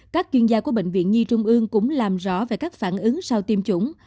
các chuyên gia của bệnh viện nhi trung ương cũng làm rõ về các phản ứng sau tiêm chủng